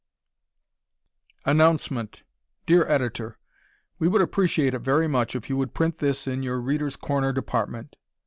Announcement Dear Editor: We would appreciate it very much if you would print this in your "Readers' Corner" department.